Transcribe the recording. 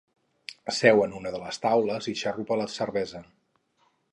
Seu en una de les taules i xarrupa la cervesa.